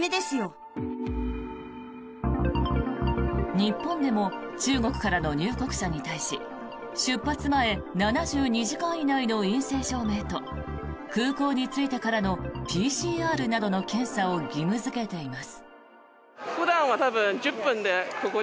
日本でも中国からの入国者に対し出発前７２時間以内の陰性証明と空港に着いてからのＰＣＲなどの検査を義務付けています。